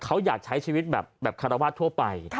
เขาอยากใช้ชีวิตแบบคารวาสทั่วไป